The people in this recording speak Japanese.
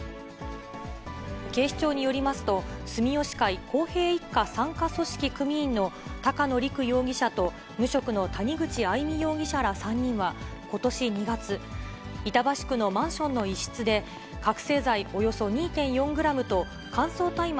警視庁によりますと、住吉会幸平一家傘下組織組員の高野陸容疑者と無職の谷口愛美容疑者ら３人は、ことし２月、板橋区のマンションの一室で、覚醒剤およそ２．４グラムと、乾燥大麻